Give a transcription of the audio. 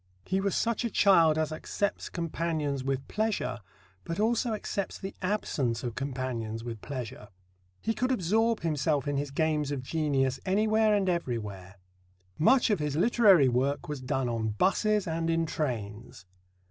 He was such a child as accepts companions with pleasure, but also accepts the absence of companions with pleasure. He could absorb himself in his games of genius anywhere and everywhere. "Much of his literary work was done on buses and in trains."